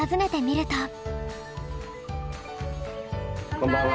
こんばんは。